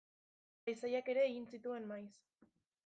Paisaiak ere egin zituen maiz.